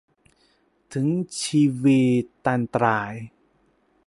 ถึงชีวิตันตราย